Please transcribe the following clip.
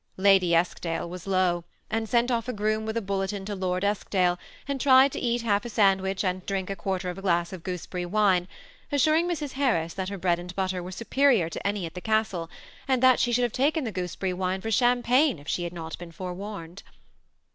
Lady Eskdale was low, and sent off a groom with a bul letin to Lord Eskdale, and tried to eat half a sandwich, and drink a quarter of a glass of gooseberry wine, as suring Mrs. Harris that her bread and butter were superior to any at the castle, and that she should have taken the gooseberry wine for champagne if she had not been forewarned.